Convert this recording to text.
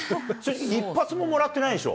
一発ももらってないでしょ？